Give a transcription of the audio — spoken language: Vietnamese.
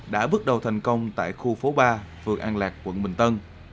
đã bước đầu thành công tại khu phố ba phường an lạc quận bình tân